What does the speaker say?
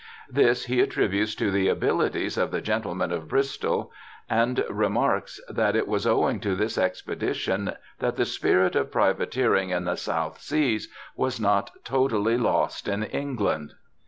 This he attributes to the abilities of the gentlemen of Bristol, and remarks that it was owing to this expedition that the spirit of privateer ing in the South Seas was not totally lost in England.